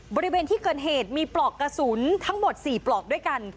บริเวณที่เกิดเหตุมีปลอกกระสุนทั้งหมด๔ปลอกด้วยกัน